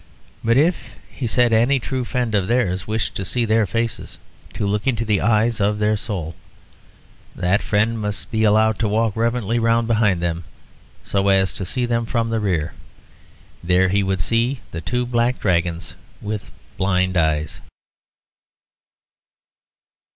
But if, he said, any true friend of theirs wished to see their faces, to look into the eyes of their soul, that friend must be allowed to walk reverently round behind them, so as to see them from the rear. There he would see the two black dragons with the blind eyes.